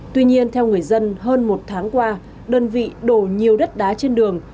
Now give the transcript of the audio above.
tuy nhiên theo người dân hơn một tháng qua đơn vị đổ nhiều đất đá trên đường